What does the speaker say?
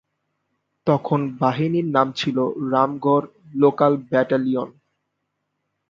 তখন বাহিনীর নাম ছিল রামগড় লোকাল ব্যাটালিয়ন।